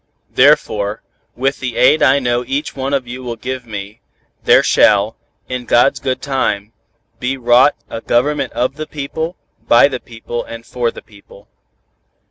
Therefore, with the aid I know each one of you will give me, there shall, in God's good time, be wrought 'a government of the people, by the people and for the people.'"